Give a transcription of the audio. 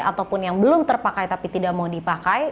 ataupun yang belum terpakai tapi tidak mau dipakai